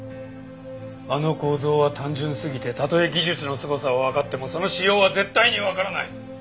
あの構造は単純すぎてたとえ技術のすごさはわかってもその仕様は絶対にわからない。